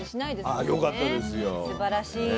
すばらしい。